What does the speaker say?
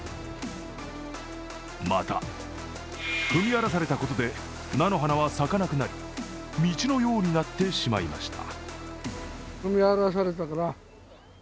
また、踏み荒らされたことで菜の花は咲かなくなり道のようになってしまいました。